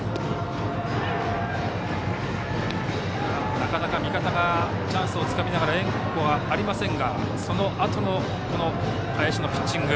なかなか味方がチャンスをつかみながら援護がありませんがそのあとの林のピッチング。